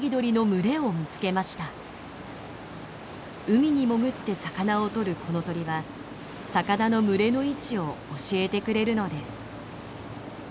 海に潜って魚を取るこの鳥は魚の群れの位置を教えてくれるのです。